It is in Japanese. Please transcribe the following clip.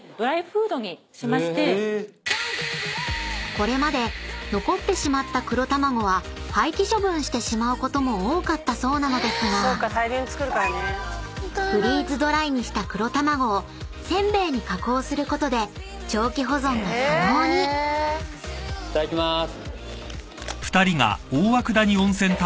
［これまで残ってしまった黒たまごは廃棄処分してしまうことも多かったそうなのですがフリーズドライにした黒たまごを煎餅に加工することで長期保存が可能に］いただきます。